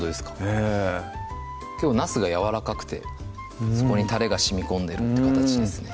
ええきょうなすがやわらかくてそこにたれがしみこんでるって形ですね